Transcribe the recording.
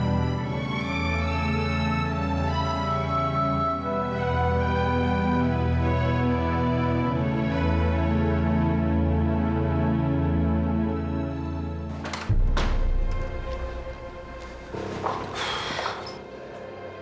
sampai jumpa lagi